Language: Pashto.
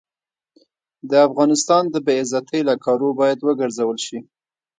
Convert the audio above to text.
د افغانستان د بې عزتۍ له کارو باید وګرزول شي.